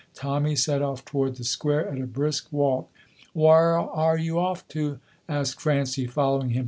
Tommy set off toward the square at a brisk walk. "Whaur are you off to?" asked Francie, following him.